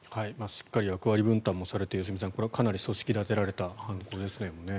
しっかり役割分担もされて良純さん、これはしっかり組織立てられた犯行ですね。